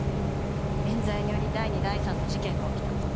冤罪により第二第三の事件が起きた。